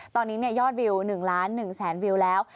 ตอนนี้ยอดวิว๑๑๐๐๐๐๐วิวแล้ว